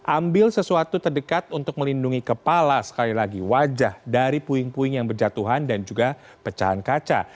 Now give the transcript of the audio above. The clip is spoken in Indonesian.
ambil sesuatu terdekat untuk melindungi kepala sekali lagi wajah dari puing puing yang berjatuhan dan juga pecahan kaca